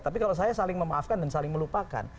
tapi kalau saya saling memaafkan dan saling melupakan